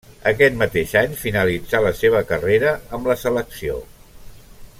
Aquest mateix any finalitzà la seva carrera amb la selecció.